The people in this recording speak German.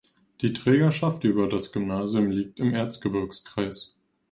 Die Trägerschaft über das Gymnasium liegt im Erzgebirgskreis.